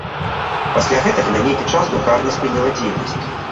Пасля гэтага на нейкі час друкарня спыніла дзейнасць.